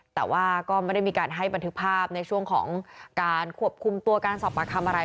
แต่ว่าก็ไม่ได้มีการให้บันทึกภาพในช่วงของการควบคุมตัวการสอบปากคำอะไร